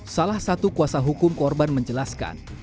salah satu kuasa hukum korban menjelaskan